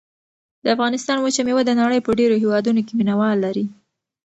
د افغانستان وچه مېوه د نړۍ په ډېرو هېوادونو کې مینه وال لري.